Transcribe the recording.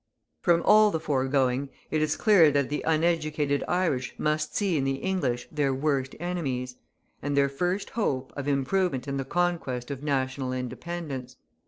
From all the foregoing, it is clear that the uneducated Irish must see in the English their worst enemies; and their first hope of improvement in the conquest of national independence.